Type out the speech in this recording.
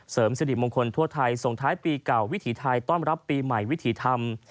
เสริมสิริมงคลทั่วไทยส่งท้ายปีเก่าวิถีไทยต้อนรับปีใหม่วิถีธรรม